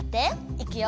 いくよ。